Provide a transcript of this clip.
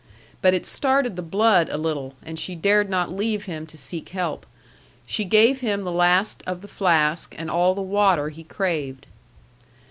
But it started the blood a little, and she dared not leave him to seek help. She gave him the last of the flask and all the water he craved.